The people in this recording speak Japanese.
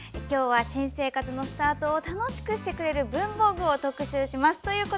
今日は新生活のスタートを楽しくしてくれる文房具を特集します。